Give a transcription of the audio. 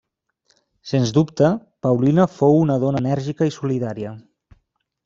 Sens dubte, Paulina fou una dona enèrgica i solidària.